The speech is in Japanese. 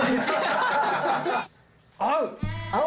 合う！